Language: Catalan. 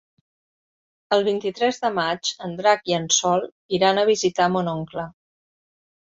El vint-i-tres de maig en Drac i en Sol iran a visitar mon oncle.